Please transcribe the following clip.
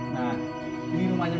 nah ini rumahnya bu silahkan masuk